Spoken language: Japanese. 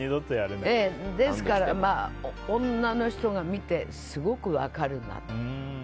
ですから、女の人が見てすごく分かるなと。